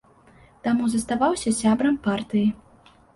Таму заставаўся сябрам партыі.